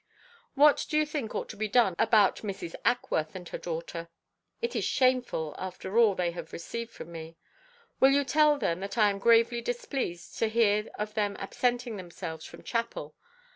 "What do you think ought to be done about Mrs. Ackworth and her daughter? It is shameful, after all they have received from me. Will you tell them that I am gravely displeased to hear of their absenting themselves from chapel.